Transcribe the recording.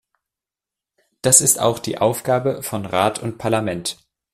Das ist auch die Aufgabe von Rat und Parlament.